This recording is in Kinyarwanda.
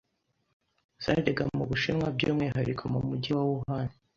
zajyaga mu Bushinwa by'umwihariko mu mujyi wa Wuhan